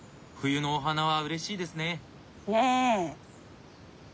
冬のお花はうれしいですね。ね。